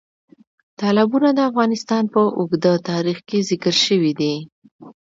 تالابونه د افغانستان په اوږده تاریخ کې ذکر شوي دي.